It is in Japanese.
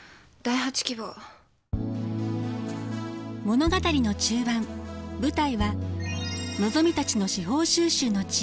物語の中盤舞台はのぞみたちの司法修習の地